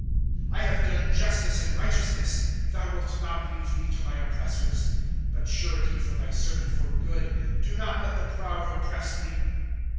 '' I have done justice and righteousness ; Thou wilt not leave me to my oppressors. ^^ Be surety for tliy servant for good ; Do not let the proud oppress me.